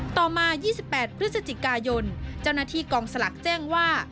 ต่อมา๒๘พฤศจิกายนเจ้าหน้าที่กองสลักแจ้งว่า